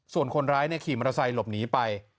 ส่วนคนร้ายขี่มอเตอร์ไซค์หลบหนีไป